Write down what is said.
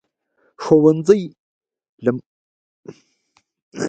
ښوونځی له ماشومانو رهبران جوړوي.